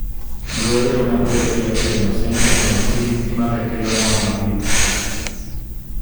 yo era una pobre criatura inocente cuando fuí víctima de aquel amor maldito.